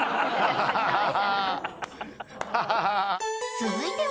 ［続いては］